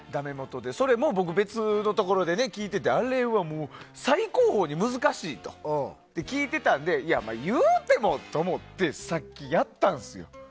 それも別のところで聴いててあれはもう最高峰に難しいと聞いてたのでいうてもと思ってさっきやったんですよ。